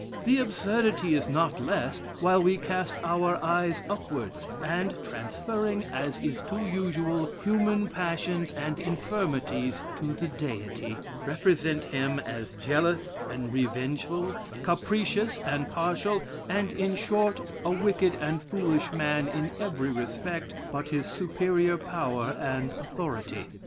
The absurdity is not less, while we cast our eyes upwards; and, transferring, as is too usual, human passions and infirmities to the Deity, represent him as jealous and revengeful, capricious and partial, and, in short, a wicked and foolish man in every respect but his superior power and authority.